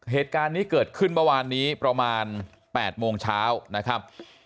เหตุการณ์นี้เกิดขึ้นเมื่อวานนี้ประมาณ๘โมงเช้านะครับ